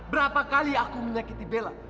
berapa kali aku menyakiti bella